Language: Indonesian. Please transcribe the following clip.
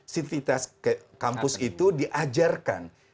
sifitas kampus itu diajarkan